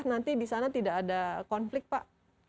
jadi di sana tidak ada konflik pak